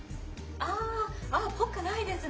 ああ、ぽくないですね。